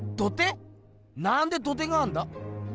なんで土手があんだ？